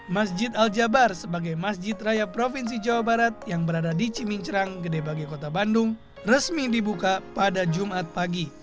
masjid al jabar sebagai masjid raya provinsi jawa barat yang berada di cimincerang gedebagi kota bandung resmi dibuka pada jumat pagi